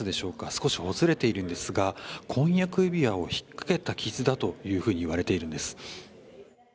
少しほつれているんですが婚約指輪を引っかけた傷だと言われているんです。